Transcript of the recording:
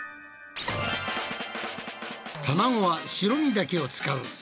卵は白身だけを使う。